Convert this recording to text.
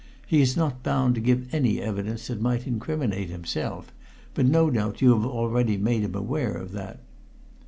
He is not bound to give any evidence that might incriminate himself, but no doubt you have already made him aware of that."